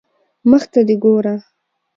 مخ ته دي ګوره